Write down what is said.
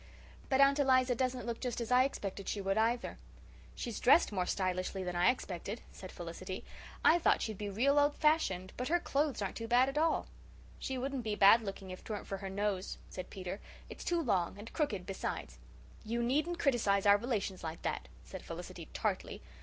But Aunt Eliza doesn't look just as I expected she would either." "She's dressed more stylishly than I expected," said Felicity. "I thought she'd be real old fashioned, but her clothes aren't too bad at all." "She wouldn't be bad looking if 'tweren't for her nose," said Peter. "It's too long, and crooked besides." "You needn't criticize our relations like that," said Felicity tartly.